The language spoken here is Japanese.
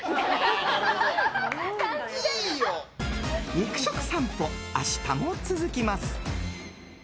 肉食さんぽ明日も続きます。